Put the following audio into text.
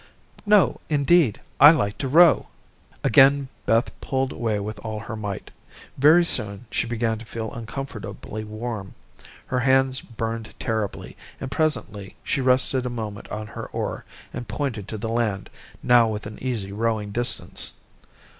"No indeed. I like to row." Again Beth pulled away with all her might. Very soon, she began to feel uncomfortably warm. Her hands burned terribly, and presently she rested a moment on her oar and pointed to the land, now within easy rowing distance.